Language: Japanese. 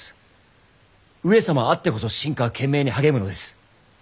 上様あってこそ臣下は懸命に励むのです。